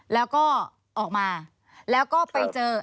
แล้วก็ออกมาแล้วก็ไปเจอ